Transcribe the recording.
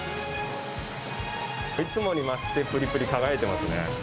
いつもに増してぷりぷりに輝いてますね。